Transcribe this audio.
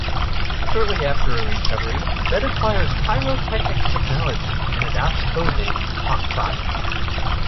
Shortly after her recovery, Bette acquires pyrotechnic technology and adopts codename Hawkfire.